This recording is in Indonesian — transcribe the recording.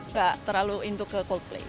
nggak terlalu induk ke coldplay